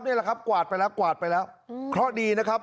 นี่แหละครับกวาดไปแล้วกวาดไปแล้วเคราะห์ดีนะครับ